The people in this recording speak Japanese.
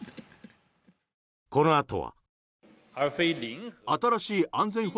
このあとは。